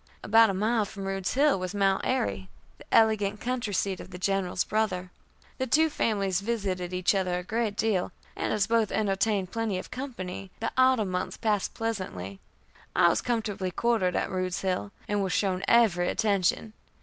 About a mile from Rude's Hill was Mount Airy, the elegant country seat of the General's brother. The two families visited each other a great deal, and as both entertained plenty of company, the Autumn months passed pleasantly. I was comfortably quartered at Rude's Hill, and was shown every attention.